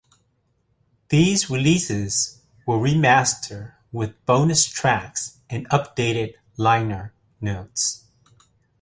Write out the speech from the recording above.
These releases were re-mastered with bonus tracks and updated liner notes.